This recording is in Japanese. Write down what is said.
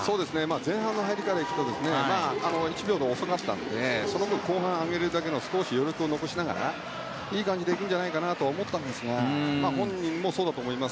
前半の入りから行くと１秒が遅かったのでその分、後半上げるための少し余力を残しながらいい感じで行くんじゃないかなと思ったんですが本人もそうだと思います。